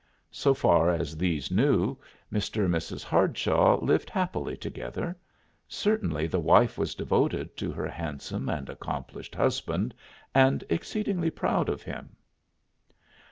So far as these knew, Mr. and Mrs. Hardshaw lived happily together; certainly the wife was devoted to her handsome and accomplished husband and exceedingly proud of him.